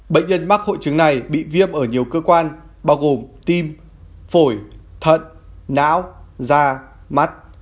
bệnh nhân mắc hội chứng này bị viêm ở nhiều cơ quan bao gồm tim phổi thận não da mắt